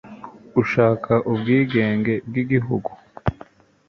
ashaka ubwigenge bw'igihugu